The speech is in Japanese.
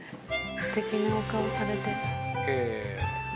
すてきなお顔されて。